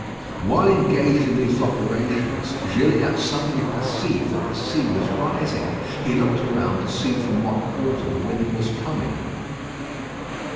While engaged in these operations, Gilliatt suddenly perceived that the sea was rising. He looked around to see from what quarter the wind was coming.